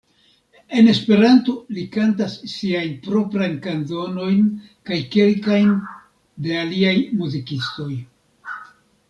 En Esperanto li kantas siajn proprajn kanzonojn kaj kelkajn de aliaj muzikistoj.